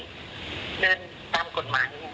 เพราะว่าในความเป็นจริง